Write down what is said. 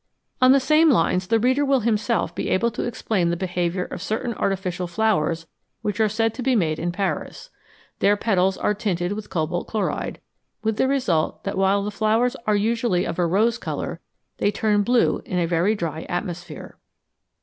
On the same lines the reader will himself be able to explain the behaviour of certain artificial flowers which are said to be made in Paris. Their petals are tinted with cobalt chloride, with the result that while the flowers are usually of a rose colour, they turn blue in a very dry atmosphere.